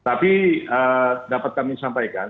tapi dapat kami sampaikan